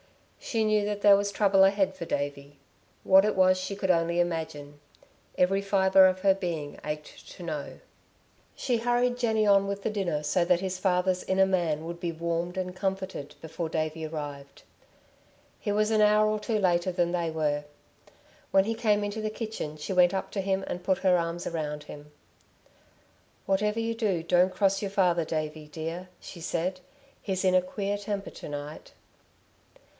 She knew that there was trouble ahead for Davey. What it was she could only imagine; every fibre of her being ached to know. She hurried Jenny on with the dinner so that his father's inner man would be warmed and comforted before Davey arrived. He was an hour or two later than they were. When he came into the kitchen she went up to him and put her arms round him. "Whatever you do, don't cross your father, Davey dear," she said. "He's in a queer temper to night."